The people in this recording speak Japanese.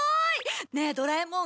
ねえドラえもん。